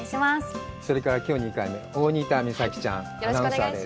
それからきょう２回目、大仁田美咲ちゃん、アナウンサーです。